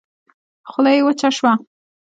خوله يې وچه شوه.